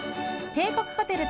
帝国ホテル